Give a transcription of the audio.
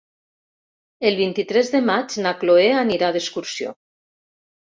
El vint-i-tres de maig na Cloè anirà d'excursió.